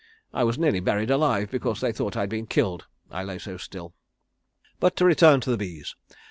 I was nearly buried alive because they thought I'd been killed, I lay so still. "But to return to the bees.